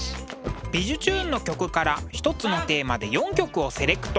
「びじゅチューン！」の曲から一つのテーマで４曲をセレクト。